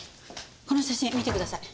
この写真見てください。